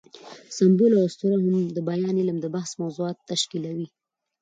سمبول او اسطوره هم د بیان علم د بحث موضوعات تشکیلوي.